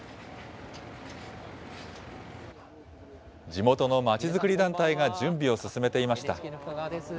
地元のまちづくり団体が準備を進めていました。